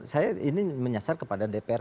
saya ini menyasar kepada dpr